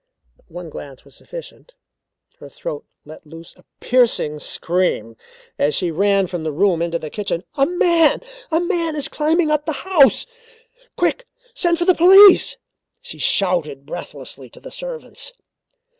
One glance was sufficient her throat let loose a piercing scream as she ran from the room into the kitchen. "A man! A man is climbing up the house quick, send for the police!" she shouted breathlessly to the servants.